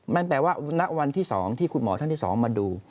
มันแปลว่าณวันที่๒ที่คุณหมอท่านที่๒มาดู